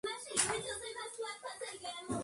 La calidad de la talla es sumamente refinada.